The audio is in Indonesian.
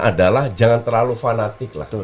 adalah jangan terlalu fanatik